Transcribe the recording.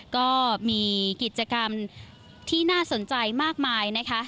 ก็มีกิจกรรมที่น่าสนใจมากมายนะคะ